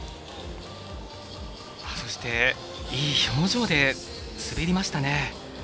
そしていい表情で滑りましたね。